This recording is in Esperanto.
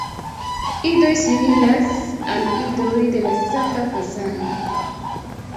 Idoj similas al idoj de la Sanga fazano.